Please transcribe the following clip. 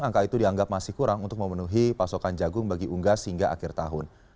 angka itu dianggap masih kurang untuk memenuhi pasokan jagung bagi unggas hingga akhir tahun